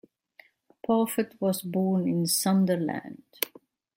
Parfitt was born in Sunderland.